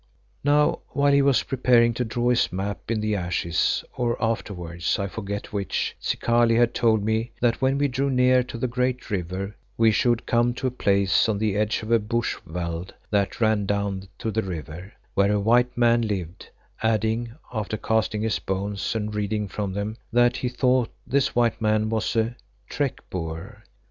Now while he was preparing to draw his map in the ashes, or afterwards, I forget which, Zikali had told me that when we drew near to the great river we should come to a place on the edge of bush veld that ran down to the river, where a white man lived, adding, after casting his bones and reading from them, that he thought this white man was a "trek Boer."